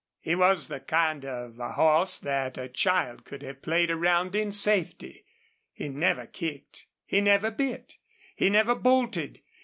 He was the kind of a horse that a child could have played around in safety. He never kicked. He never bit. He never bolted.